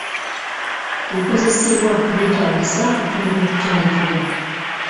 Ebikozesebwa byetaagisa okutandika okutendekebwa.